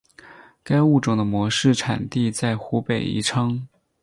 该物种的模式产地在湖北宜昌。